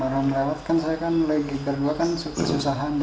jinjak itunya di bawah bambunya gitu